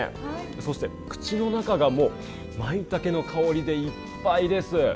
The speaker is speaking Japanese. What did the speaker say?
そして口の中が、もうマイタケの香りでいっぱいです。